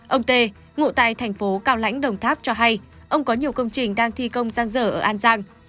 ông tê ngụ tại thành phố cao lãnh đồng tháp cho hay ông có nhiều công trình đang thi công gian dở ở an giang